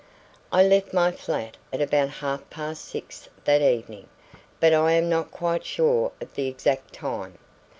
"I left my flat at about half past six that evening, but I am not quite sure of the exact time.